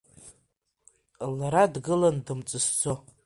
Лара дгылан дымҵысӡо.